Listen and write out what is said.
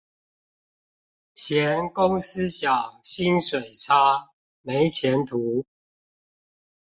嫌公司小、薪水差、沒前途